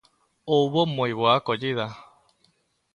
Houbo moi boa acollida.